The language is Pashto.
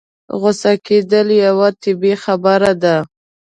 غوسه کېدل يوه طبيعي خبره ده.